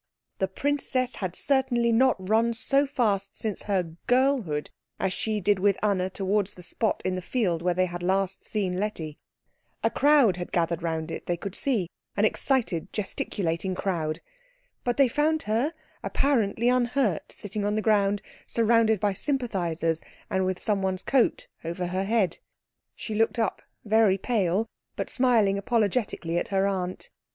The princess had certainly not run so fast since her girlhood as she did with Anna towards the spot in the field where they had last seen Letty. A crowd had gathered round it, they could see, an excited, gesticulating crowd. But they found her apparently unhurt, sitting on the ground, surrounded by sympathisers, and with someone's coat over her head. She looked up, very pale, but smiling apologetically at her aunt.